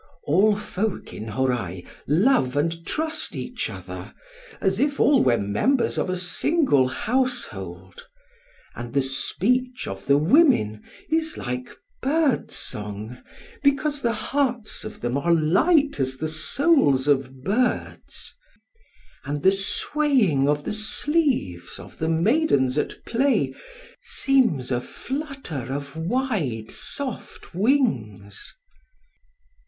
All folk in Hōrai love and trust each other, as if all were members of a single household;—and the speech of the women is like birdsong, because the hearts of them are light as the souls of birds;—and the swaying of the sleeves of the maidens at play seems a flutter of wide, soft wings.